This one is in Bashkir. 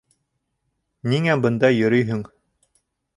— Ниңә бында йөрөйһөң?